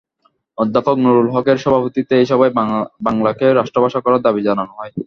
অধ্যাপক নুরুল হকের সভাপতিত্বে এ সভায় বাংলাকে রাষ্ট্রভাষা করার দাবি জানানো হয়।